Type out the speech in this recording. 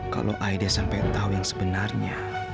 kalau aida sampai engkau yang sebenarnya